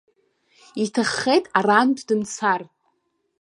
Иҭаххеит арантә дымцар.